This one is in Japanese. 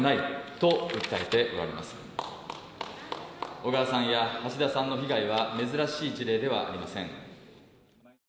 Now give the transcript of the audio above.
小川さんや橋田さんの被害は珍しい事例ではありません。